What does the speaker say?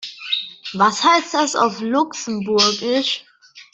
Was heißt das auf Luxemburgisch?